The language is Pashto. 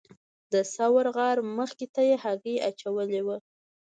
د ثور غار مخې ته یې هګۍ اچولې وه.